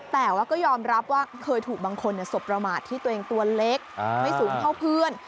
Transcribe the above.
แต่ว่าก็ยอมรับว่าเคยถูกบางคนสบประมาทที่ตัวเองตัวเล็กไม่สูงเท่าเพื่อน